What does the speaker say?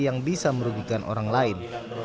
yang bisa merugikan orang lain